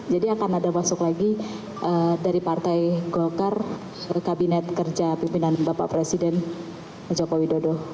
jadi akan ada masuk lagi dari partai gokar kabinet kerja pimpinan bapak presiden jokowi dodo